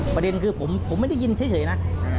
ประเด็นคือผมไม่ได้ยินเฉยนะ